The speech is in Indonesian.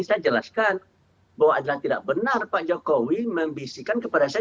saya jelaskan bahwa adalah tidak benar pak jokowi membisikkan kepada saya